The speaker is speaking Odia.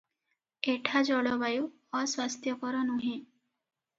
ଏଠା ଜଳବାୟୁ ଅସ୍ୱାସ୍ଥ୍ୟକର ନୁହେ ।